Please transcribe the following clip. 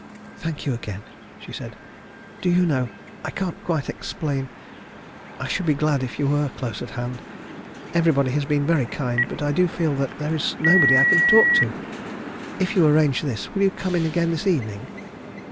"Thank you again!" she said. "Do you know I can't quite explain I should be glad if you were close at hand? Everybody has been very kind but I do feel that there is nobody I can talk to. If you arrange this, will you come in again this evening?"